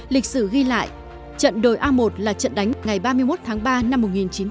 lịch sử ghi lại trận đồi a một là trận đánh ngày ba mươi một tháng ba năm một nghìn chín trăm bảy mươi